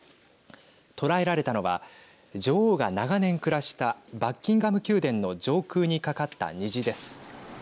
捉えられたのは女王が長年暮らしたバッキンガム宮殿の上空にかかった虹です。